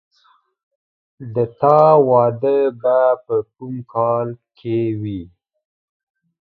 د تا واده به په کوم کال کې وي